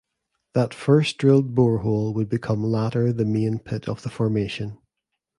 That first drilled borehole would become latter the main pit of the Formation.